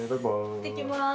いってきます。